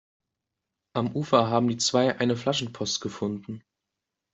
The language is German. Am Ufer haben die zwei eine Flaschenpost gefunden.